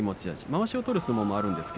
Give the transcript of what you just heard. まわしを取る相撲もあります。